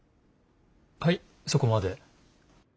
はいそこまで。